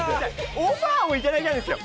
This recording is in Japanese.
オファーをいただいたんですよ。